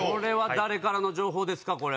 誰からの情報ですか？